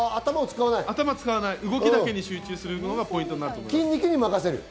頭を使わない、動きだけに集中するのがポイントになります。